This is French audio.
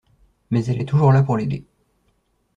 Mais elle est toujours là pour l'aider.